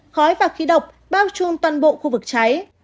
khói và khí độc bao trùm toàn bộ khu vực cháy